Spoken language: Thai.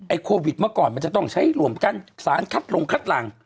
โควิดเมื่อก่อนมันจะต้องใช้รวมกันสารคัดลงคัดหลัง